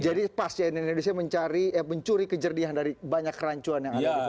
jadi pas cnn indonesia mencuri kejadian dari banyak kerancuan yang ada di publik